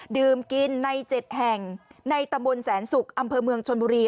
ดื่มกินใน๗แห่งในตำบลแสนศุกร์อำเภอเมืองชนบุรี